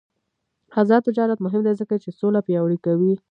آزاد تجارت مهم دی ځکه چې سوله پیاوړې کوي.